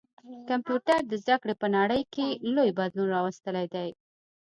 کمپيوټر د زده کړي په نړۍ کي لوی بدلون راوستلی دی.